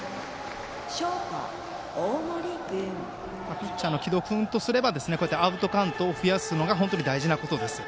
ピッチャーの城戸君とすればアウトカウントを増やすのが大事なことです。